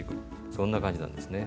そんな感じなんですね。